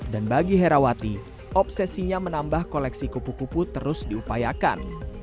dan bagi herawati obsesinya menambah koleksi kupu kupu terus diupayakan